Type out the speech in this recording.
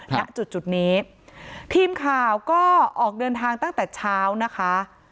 ณจุดนี้ทีมข่าวก็ออกเดินทางตั้งแต่เช้านะคะ